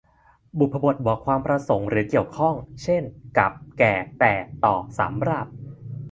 บุพบทบอกความประสงค์หรือเกี่ยวข้อง เช่น กับ แก่ แต่ ต่อ สำหรับ